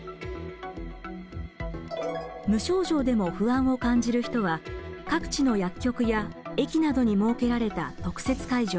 無症状でも不安を感じる人は各地の薬局や駅などに設けられた特設会場